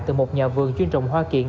từ một nhà vườn chuyên trồng hoa kiện